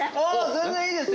全然いいですよ。